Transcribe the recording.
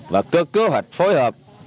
và cơ hạch phối hợp